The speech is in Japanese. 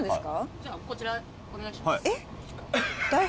じゃこちらお願いしますえっ？